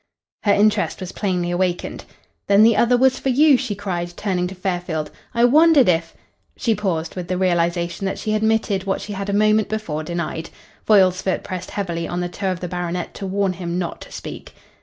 Her interest was plainly awakened. "Then the other was for you!" she cried, turning to Fairfield. "I wondered if " She paused with the realisation that she had admitted what she had a moment before denied. Foyle's foot pressed heavily on the toe of the baronet to warn him not to speak.